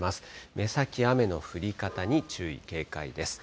目先、雨の降り方に注意、警戒です。